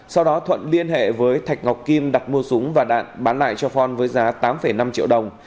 sau đó thuận liên hệ với thạch ngọc kim đặt mua súng và đạn bán lại cho phong với giá tám năm triệu đồng